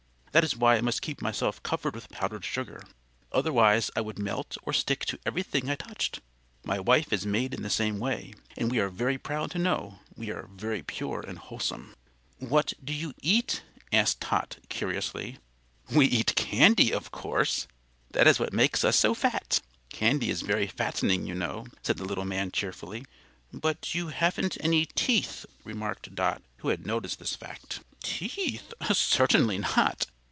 That is why I must keep myself covered with powdered sugar; otherwise I would melt or stick to everything I touched. My wife is made in the same way, and we are very proud to know we are very pure and wholesome." "What do you eat?" asked Tot, curiously. "We eat candy, of course; that is what makes us so fat. Candy is very fattening, you know," said the little man cheerfully. "But you haven't any teeth," remarked Dot, who had noticed this fact. "Teeth! Certainly not.